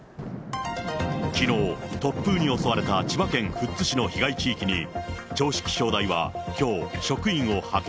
きのう、突風に襲われた千葉県富津市の被害地域に、銚子気象台はきょう、職員を派遣。